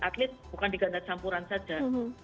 atlet bukan digandat sampuran saja